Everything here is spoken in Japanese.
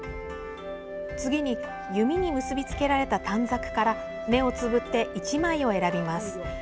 次に弓に結びつけられた短冊から目をつぶって、１枚を選びます。